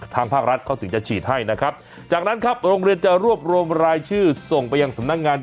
ทางภาครัฐเขาถึงจะฉีดให้นะครับจากนั้นครับโรงเรียนจะรวบรวมรายชื่อส่งไปยังสำนักงาน